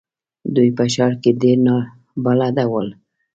دوی په ښار کې ډېر نابلده ول.